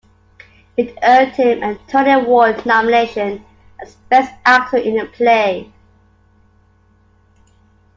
It earned him a Tony Award nomination as Best Actor in a Play.